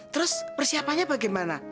terus persiapannya bagaimana